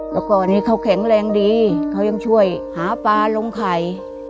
แล้วก็อันนี้เขาแข็งแรงดีเขายังช่วยหาปลาลงไข่